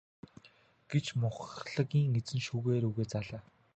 гэж мухлагийн эзэн шүүгээ рүүгээ заалаа.